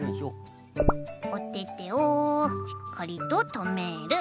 おててをしっかりととめる。